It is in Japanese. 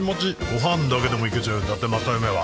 ごはんだけでもいけちゃう、だて正夢は。